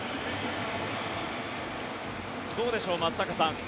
どうでしょう、松坂さん